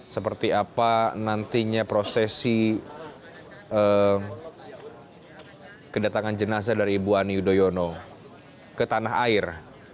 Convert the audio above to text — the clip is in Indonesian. seperti apa nantinya prosesi kedatangan jenazah dari ibu ani yudhoyono ke tanah air